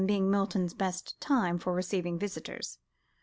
being Milton's best time for receiving visitors).